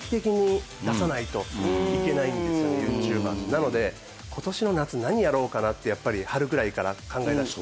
なので今年の夏何やろうかなってやっぱり春ぐらいから考えだして。